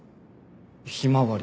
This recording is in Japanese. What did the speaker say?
ひまわり。